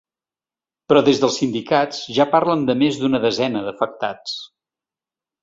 Però des dels sindicats, ja parlen de més d’una desena d’afectats.